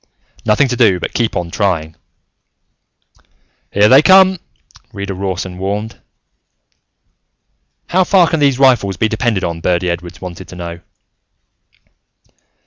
Nothing to do but keep on trying! "Here they come!" Reader Rawson warned. "How far can these rifles be depended on?" Birdy Edwards wanted to know.